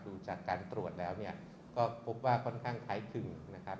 ดูจากการตรวจแล้วเนี่ยก็พบว่าค่อนข้างคล้ายคลึงนะครับ